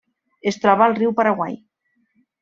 Es troba al riu Paraguai.